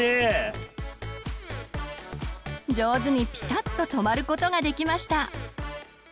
上手にピタッと止まることができました。